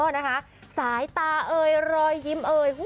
อ๋อละค่ะสายตาเอยลอยยิ้มเอย